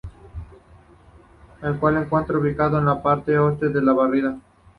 El cual se encuentra ubicado en la parte oeste de la barriada.